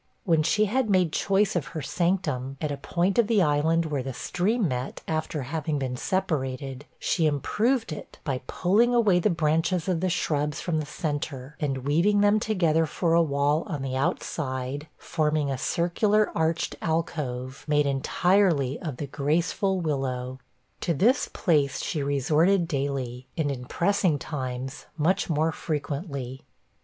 When she had made choice of her sanctum, at a point of the island where the stream met, after having been separated, she improved it by pulling away the branches of the shrubs from the centre, and weaving them together for a wall on the outside, forming a circular arched alcove, made entirely of the graceful willow. To this place she resorted daily, and in pressing times much more frequently.